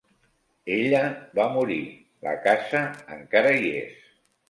Ella va morir, la casa encara hi és.